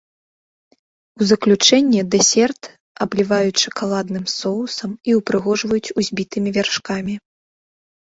У заключэнне дэсерт абліваюць шакаладным соусам і ўпрыгожваюць узбітымі вяршкамі.